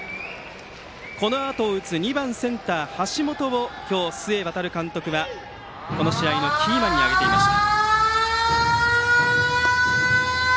このあと打つ２番センター、橋本を今日、須江航監督はこの試合のキーマンに挙げていました。